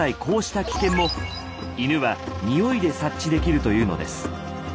こうした危険も犬はニオイで察知できるというのです。